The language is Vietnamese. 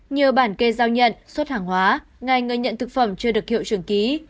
nhiều bản kê giao nhận xuất hàng hóa ngay người nhận thực phẩm chưa được hiệu trường ký